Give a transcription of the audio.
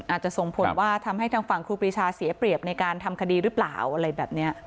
อาจจะส่งผลว่าทำให้ทางฝั่งครูปรีชาเสียเปรียบในการทำคดีหรือเปล่าอะไรแบบนี้